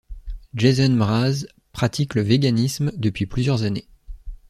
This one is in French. Jason Mraz pratique le véganisme depuis plusieurs années.